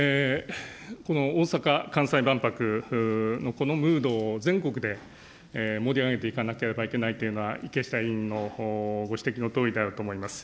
大阪・関西万博のこのムードを、全国で盛り上げていかなければいけないというのは、池下委員のご指摘のとおりであると思います。